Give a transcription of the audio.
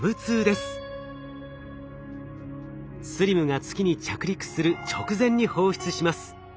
ＳＬＩＭが月に着陸する直前に放出します。